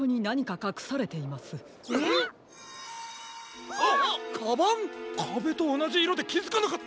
かべとおなじいろできづかなかった！